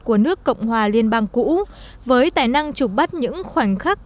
của nước cộng hòa liên bang cũ với tài năng chụp bắt những khoảnh khắc